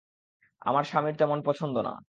আমার স্বামীর তেমন পছন্দ না।